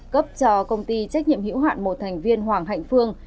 cấp cho công ty trách nhiệm hiểu hoạn một thành viên hoàng hạnh phương